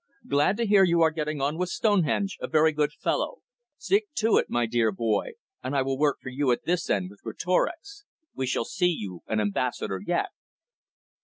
"Glad to hear you are getting on with Stonehenge a very good fellow! Stick to it, my dear boy, and I will work for you at this end with Greatorex. We shall see you an Ambassador yet."